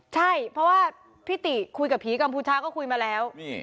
ใช่เพราะว่าพี่ติคุยกับผีกัมพูชาก็คุยมาแล้ว